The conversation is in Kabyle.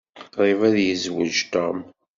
Qṛib ad yezweǧ Tom.